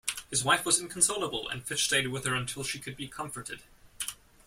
His wife was inconsolable and Fitch stayed with her until she could be comforted.